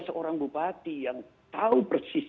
seorang bupati yang tahu persis